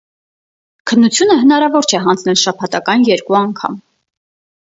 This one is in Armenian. Քննությունը հնարավոր չէ հանձնել շաբաթական երկու անգամ։